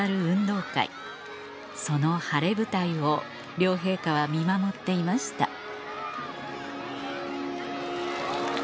運動会その晴れ舞台を両陛下は見守っていました